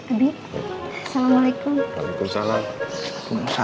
abi assalamualaikum waalaikumsalam